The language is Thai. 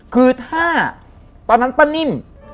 คือถ้าตอนนั้นป้านิ่ม